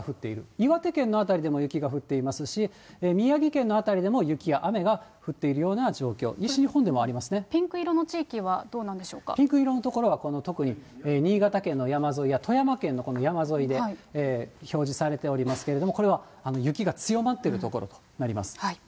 岩手県の辺りでも雪が降っていますし、宮城県の辺りでも雪や雨が降っているような状況、西日本でもありピンク色の地域はどうなんでピンク色の所は、特に新潟県の山沿いや、富山県の山沿いで表示されておりますけれども、これは雪が強まっている所となります。